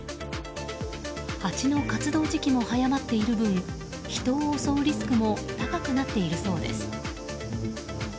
ハチの活動時期も早まっている分人を襲うリスクも高くなっているそうです。